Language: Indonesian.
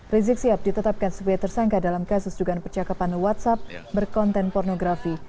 rizik sihab ditetapkan sebagai tersangka dalam kasus dugaan percakapan whatsapp berkonten pornografi